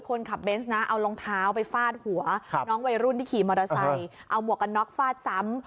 คนขับเบนส์นะเอารองเท้าไปฟาดหัวน้องวัยรุ่นที่ขี่มอเตอร์ไซค์เอาหมวกกันน็อกฟาดซ้ำ